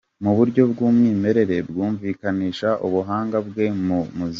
mu buryo bwumwimerere bwumvikanisha ubuhanga bwe mu muziki.